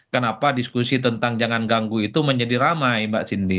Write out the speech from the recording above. kenapa diskusi tentang jangan ganggu itu menjadi ramai mbak cindy